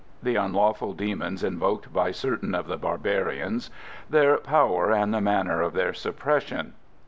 The unlawful demons invoked by certain of the barbarians; their power and the manner of their suppression.